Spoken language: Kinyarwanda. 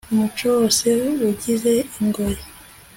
umuco wose ugize ingoyi